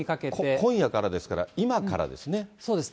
今夜からですから、今からですね。